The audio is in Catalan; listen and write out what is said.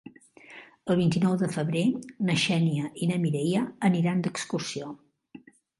El vint-i-nou de febrer na Xènia i na Mireia aniran d'excursió.